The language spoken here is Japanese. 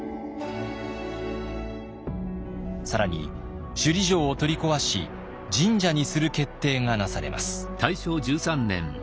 更に首里城を取り壊し神社にする決定がなされます。